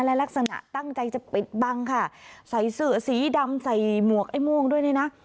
และลักษณะตั้งใจจะปิดบังค่ะใส่เสื้อสีดำใส่หมวกไอ้ม่วงด้วยนี่นะ